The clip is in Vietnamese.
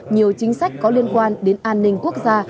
nhiều chính sách có liên quan đến an ninh quốc gia